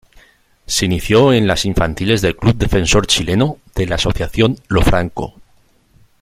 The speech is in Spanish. Se inició en las infantiles del club Defensor Chileno, de la Asociación Lo Franco.